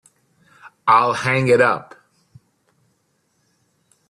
I'll hang it up.